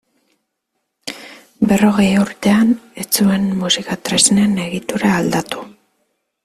Berrogei urtean ez zuen musika tresnen egitura aldatu.